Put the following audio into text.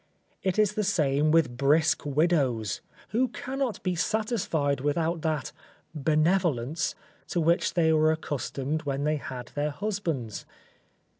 It is the same with brisk widows, who cannot be satisfied without that benevolence to which they were accustomed when they had their husbands.